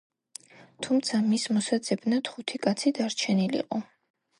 თუმცა, მის მოსაძებნად ხუთი კაცი დარჩენილიყო.